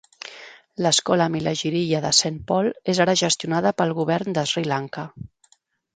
L'Escola Milagiriya de Saint Paul és ara gestionada pel Govern de Sri Lanka.